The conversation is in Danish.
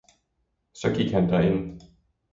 så gik han derind.